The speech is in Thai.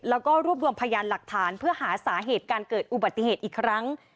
แล้วก็รวบรวมพยานหลักฐานเพื่อหาสาเหตุการเกิดอุบัติเหตุอีกครั้ง